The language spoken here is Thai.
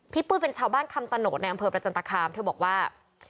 ปุ้ยเป็นชาวบ้านคำตะโนดในอำเภอประจันตคามเธอบอกว่า